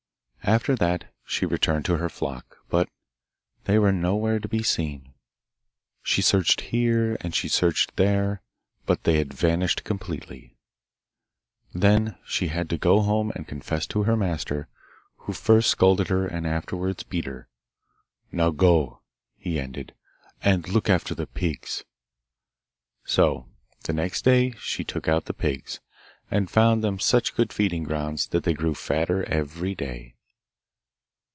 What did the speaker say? After that she returned to her flock, but they were nowhere to be seen. She searched here and she searched there, but they had vanished completely! Then she had to go home and confess to her master, who first scolded her and afterwards beat her. 'Now go,' he ended, 'and look after the pigs!' So the next day she took out the pigs, and found them such good feeding grounds that they grew fatter every day.